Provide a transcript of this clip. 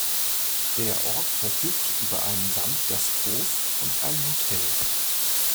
Der Ort verfügt über einen Landgasthof und ein Hotel